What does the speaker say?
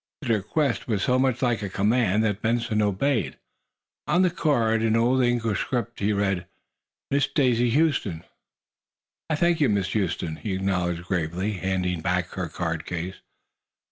The request was so much like a command that Benson obeyed. On the card, in Old English script, he read: "Miss Daisy Huston." "I thank you, Miss Huston," he acknowledged, gravely, handing back her card case.